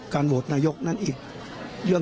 ก็สบายใจขึ้น